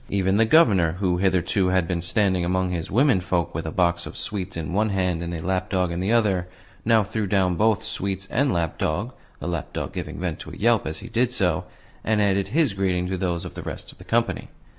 Even the Governor, who hitherto had been standing among his womenfolk with a box of sweets in one hand and a lap dog in the other, now threw down both sweets and lap dog (the lap dog giving vent to a yelp as he did so) and added his greeting to those of the rest of the company.